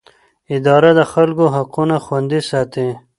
اداره د خلکو حقونه خوندي ساتي.